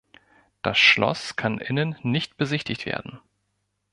Das Schloss kann innen nicht besichtigt werden.